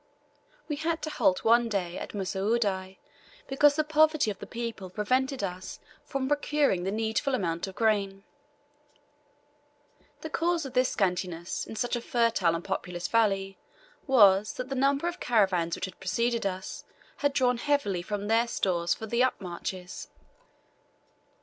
We had to halt one day at Mussoudi because the poverty of the people prevented us from procuring the needful amount of grain. The cause of this scantiness in such a fertile and populous valley was, that the numerous caravans which had preceded us had drawn heavily for their stores for the upmarches.